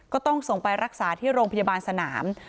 ก็ต้องส่งไปรักษาที่โรงพยาบาลสนาม